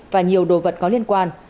và nhiều đồ vật có liên quan